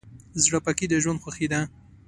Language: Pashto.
زړه پاکي د ژوند خوښي ده.